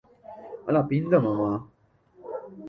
Alapínta mamá